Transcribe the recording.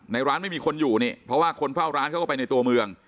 ร้านไม่มีคนอยู่นี่เพราะว่าคนเฝ้าร้านเขาก็ไปในตัวเมือง